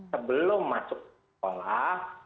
sebelum masuk ke sekolah